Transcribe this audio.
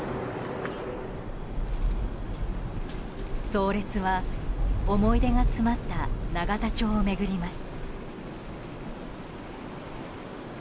葬列は、思い出が詰まった永田町を巡ります。